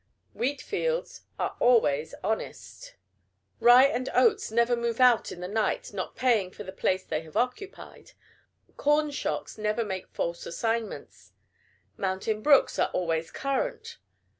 Wheat fields are always honest. Rye and oats never move out in the night, not paying for the place they have occupied. Corn shocks never make false assignments. Mountain brooks are always "current."